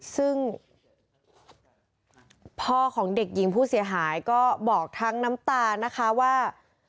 ซึ่งพ่อของเด็กหญิงผู้เสียหายก็บอกทั้งน้ำตานะคะว่า